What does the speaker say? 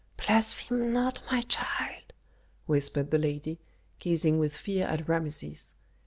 "Blaspheme not, my child," whispered the lady, gazing with fear at Rameses.